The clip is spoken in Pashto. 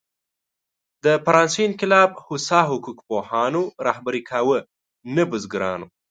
د فرانسې انقلاب هوسا حقوق پوهانو رهبري کاوه، نه بزګرانو.